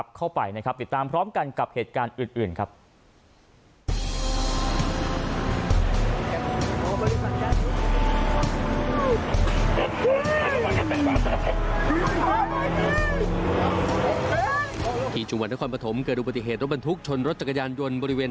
ที่จังหวัดนครปฐมเกิดอุบัติเหตุรถบรรทุกชนรถจักรยานยนต์บริเวณ